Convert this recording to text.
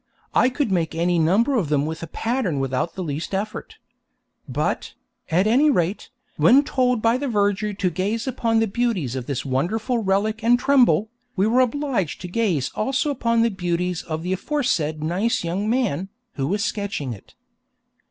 I could make any number of them with a pattern without the least effort. But, at any rate, when told by the verger to gaze upon the beauties of this wonderful relic and tremble, we were obliged to gaze also upon the beauties of the aforesaid nice young man, who was sketching it.